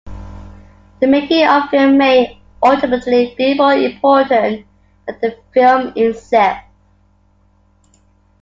The making-of film may ultimately be more important than the film itself.